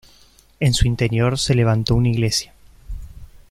En su interior se levantó una iglesia.